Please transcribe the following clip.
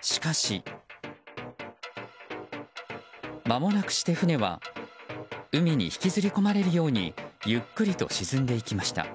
しかしまもなくして船は海に引きずり込まれるようにゆっくりと沈んでいきました。